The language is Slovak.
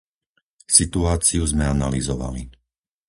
Situáciu sme analyzovali.